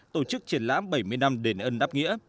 tổ chức triển lãm bảy mươi năm đền ân đáp nghĩa